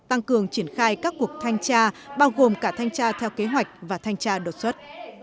tăng cường triển khai các cuộc thanh tra bao gồm cả thanh tra theo kế hoạch và thanh tra đột xuất